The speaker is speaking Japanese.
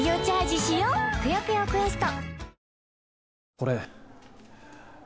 これ。